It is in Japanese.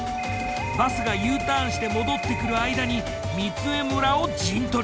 バスがＵターンして戻ってくる間に御杖村を陣取り。